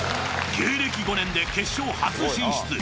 芸歴５年で決勝初進出。